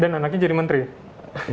dan anaknya jadi menteri